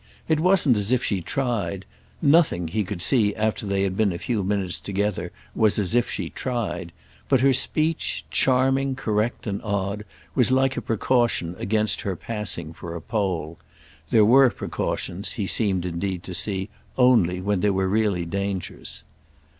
It wasn't as if she tried; nothing, he could see after they had been a few minutes together, was as if she tried; but her speech, charming correct and odd, was like a precaution against her passing for a Pole. There were precautions, he seemed indeed to see, only when there were really dangers.